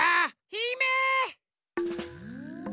ひめ！